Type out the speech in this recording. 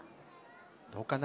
どうかな？